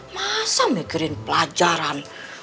masa mikirin pelajaran